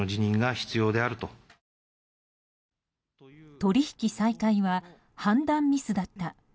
取引再開は判断ミスだった。